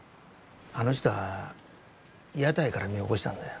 あの人は屋台から身を起こしたんだよ。